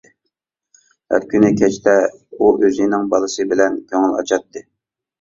ھەر كۈنى كەچتە ئۇ ئۆزىنىڭ بالىسى بىلەن كۆڭۈل ئاچاتتى.